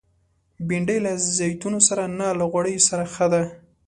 بېنډۍ له زیتونو سره نه، له غوړیو سره ښه ده